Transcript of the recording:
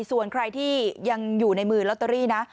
ส่วนใครที่ยังอยู่ในมือลอตเตอรี่นะ